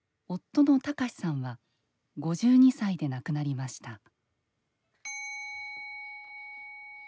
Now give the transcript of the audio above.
夫の隆さんは５２歳で亡くなりました。